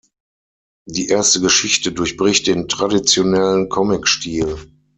Die erste Geschichte durchbricht den traditionellen Comicstil.